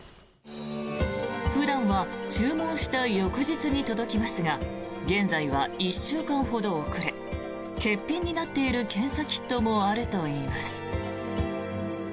普段は注文した翌日に届きますが現在は１週間ほど遅れ欠品になっている検査キットもあるといいます。